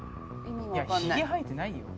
いやひげ生えてないよ